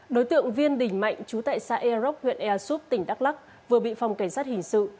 đối tượng viên đình mạnh chú tại xã air rock huyện air soup tỉnh đắk lắc vừa bị phòng cảnh sát hình sự